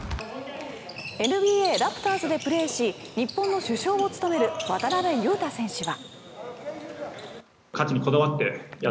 ＮＢＡラプターズでプレーし日本の主将を務める渡邊雄太選手は。